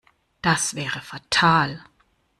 Das wäre fatal.